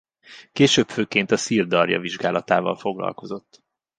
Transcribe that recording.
Később főként a Szir-darja vizsgálatával foglalkozott.